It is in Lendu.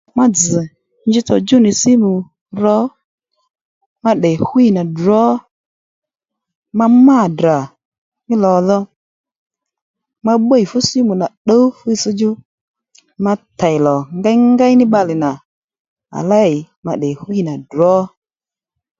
Ma dzz̀ njitsò djú nì simu ro, ma tdè hwî nà ddrǒ, ma mâ Ddra mí lò dhò ma bbî fú simù nà tdǔw fu itss-djú ma tèy lò ngéngéy ní bbalè nà à lêy ma tdè hwî nà ddrǒ